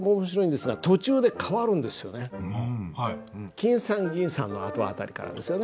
きんさんぎんさんのあと辺りからですよね。